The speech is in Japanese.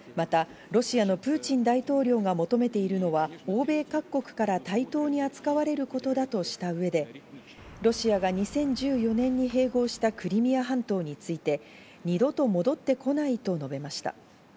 また、ロシアのプーチン大統領が求めているのは欧米各国から対等に扱われることだとした上でロシアが２０１４年に併合したクリミア半島について二度と戻ってこないと述べました。